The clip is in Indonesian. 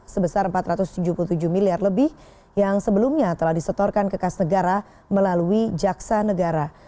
sebesar empat ratus tujuh puluh tujuh miliar lebih yang sebelumnya telah disetorkan ke kas negara melalui jaksa negara